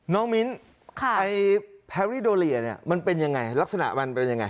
มิ้นแพรรี่โดเรียเนี่ยมันเป็นยังไงลักษณะมันเป็นยังไง